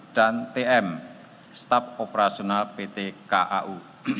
dan tm staf operasional ptkau